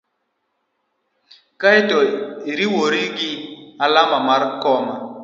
kae to iriwogi gi alama mar koma.